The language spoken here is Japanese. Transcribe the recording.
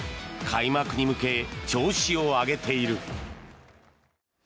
開幕に向け調子を上げている。